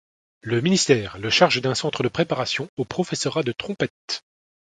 Le ministère le charge d'un centre de préparation au professorat de trompette.